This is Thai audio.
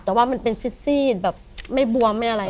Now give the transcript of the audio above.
แต่ว่ามันเป็นซีดแบบไม่บวมไม่อะไร